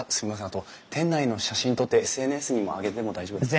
あと店内の写真撮ってＳＮＳにも上げても大丈夫ですか？